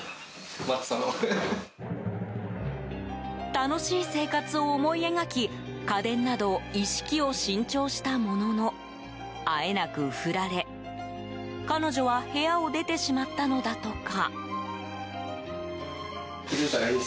楽しい生活を思い描き家電など一式を新調したもののあえなく振られ、彼女は部屋を出てしまったのだとか。